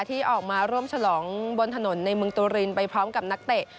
ที่ออกมาร่วมฉลองบนถนนในเมืองตูรินไปพร้อมกับนักเตะ